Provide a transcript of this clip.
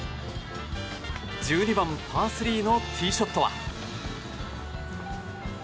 １２番パー３のティーショットは。